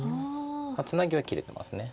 ツナギは切れてます。